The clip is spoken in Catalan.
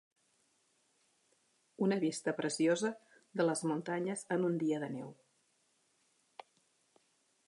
Una vista preciosa de les muntanyes en un dia de neu.